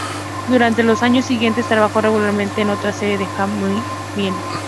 Durante los años siguientes trabajó regularmente en otra serie de anime, "I My Me!